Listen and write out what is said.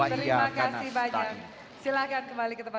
terima kasih kandidat nomor berikutnya